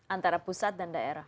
antara pusat dan daerah